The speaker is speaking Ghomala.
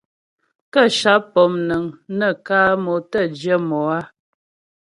Kə́ sháp pɔmnəŋ nə kǎ mo tə́ jyə mo á.